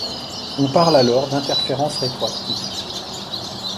On parle alors d’interférence rétroactive.